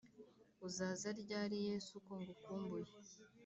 Uzaza ryari yesu ko ngukumbuye